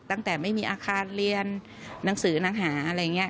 ตั้งแต่ไม่มีอาคารเรียนหนังสือหนังหาอะไรอย่างนี้